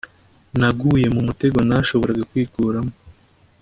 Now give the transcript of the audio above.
Naguye mu mutego ntashoboraga kwikuramo